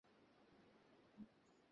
মাফ করবেন, সরি।